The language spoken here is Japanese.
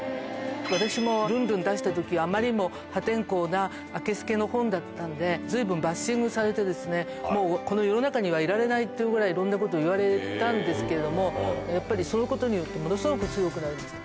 私もルンルン出したとき、あまりにも破天荒なあけすけな本だったので、ずいぶんバッシングされてですね、もうこの世の中にはいられないっていうぐらい、いろんなことを言われたんですけれども、やっぱり、そのことによってものすごく強くなれました。